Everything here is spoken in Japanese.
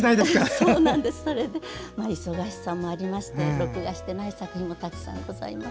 それで、忙しさもありまして録画していない作品もたくさんあります。